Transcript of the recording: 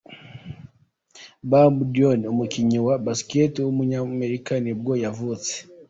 Bam Doyne, umukinnyi wa basketball w’umunyamerika nibwo yavutse.